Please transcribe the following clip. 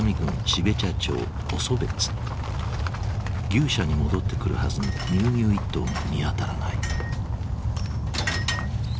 牛舎に戻ってくるはずの乳牛一頭が見当たらない。